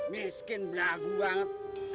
miskin beragu banget